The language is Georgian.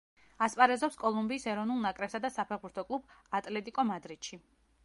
ასპარეზობს კოლუმბიის ეროვნულ ნაკრებსა და საფეხბურთო კლუბ „ატლეტიკო მადრიდში“.